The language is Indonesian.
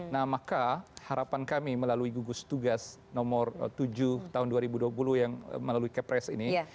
nah maka harapan kami melalui gugus tugas nomor tujuh tahun dua ribu dua puluh yang melalui kepres ini